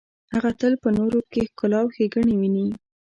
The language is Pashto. هغه تل په نورو کې ښکلا او ښیګڼې ویني.